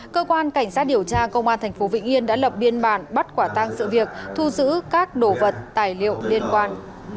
cơ quan cảnh sát điều tra công an tp vĩnh yên đã lập biên bản bắt quả tang sự việc thu giữ các đồ vật tài liệu liên quan